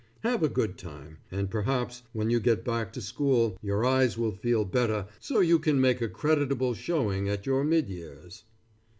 Have a good time, and perhaps when you get back to school your eyes will feel better so you can make a creditable showing at your mid years.